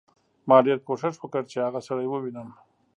ما ډېر کوښښ وکړ چې هغه سړی ووینم